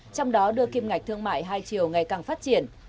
trong đó đưa kim ngạch thương mại hai chiều ngày càng phát triển